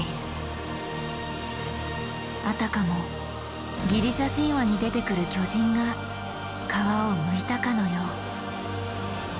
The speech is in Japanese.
あたかもギリシャ神話に出てくる巨人が皮をむいたかのよう。